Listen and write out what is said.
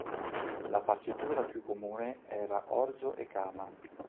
La farcitura più comune era orzo e kama.